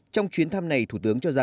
trong chuyến thăm này thủ tướng cho biết